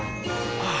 ああ。